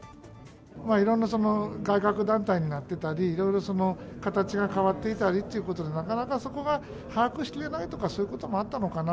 いろんな外郭団体になっていたり、いろいろ形が変わっていたりということで、なかなかそこが把握しきれないとか、そういうこともあったのかな。